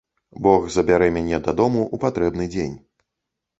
Бог забярэ мяне дадому ў патрэбны дзень.